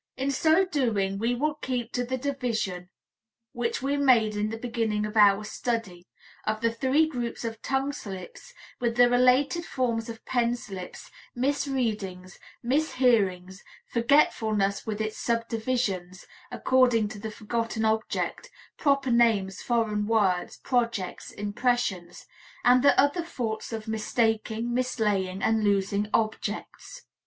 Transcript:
In so doing we will keep to the division which we made in the beginning of our study, of the three groups of tongue slips, with the related forms of pen slips, misreadings, mishearings, forgetfulness with its subdivisions according to the forgotten object (proper names, foreign words, projects, impressions), and the other faults of mistaking, mislaying and losing objects.